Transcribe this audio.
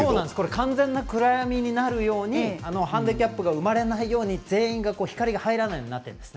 完全な暗闇になるようにハンディーキャップが生まれないように全員が光が入らないようになっています。